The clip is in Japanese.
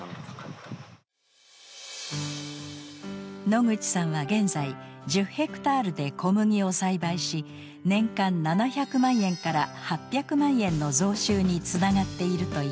野口さんは現在１０ヘクタールで小麦を栽培し年間７００万円８００万円の増収につながっているといいます。